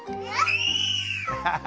ハハハハ。